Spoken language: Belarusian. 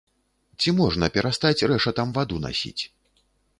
Ці можна перастаць рэшатам ваду насіць?